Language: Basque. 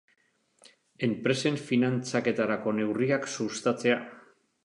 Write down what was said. Enpresen finantzaketarako neurriak sustatzea.